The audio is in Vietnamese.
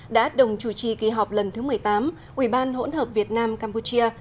đã đồng chủ trì kỳ họp lần thứ một mươi tám ủy ban hỗn hợp việt nam campuchia